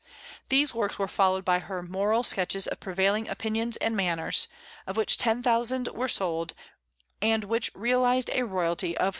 These works were followed by her "Moral Sketches of Prevailing Opinions and Manners," of which ten thousand were sold, and which realized a royalty of £3,000.